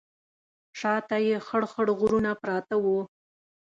شا ته یې خړ خړ غرونه پراته وو.